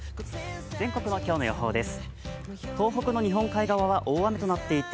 全国の今日の予報です。